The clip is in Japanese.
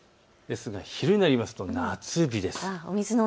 昼になりますと夏日です。